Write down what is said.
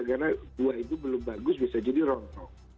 karena buah itu belum bagus bisa jadi rontok